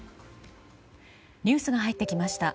ニュースが入ってきました。